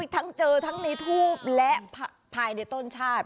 ทั้งเจอทั้งในทูบและภายในต้นชาติ